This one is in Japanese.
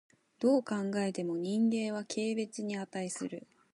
どう考えても人間は軽蔑に価する。